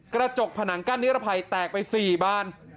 กระจกผนังกั้นนิรภัยแตกไป๔บาน